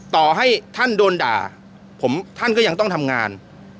ต่อให้ท่านโดนด่าผมท่านก็ยังต้องทำงาน